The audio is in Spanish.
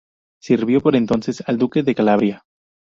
Sirvió por entonces al Duque de Calabria.